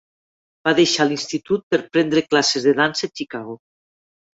Va deixar l'institut per prendre classes de dansa a Chicago.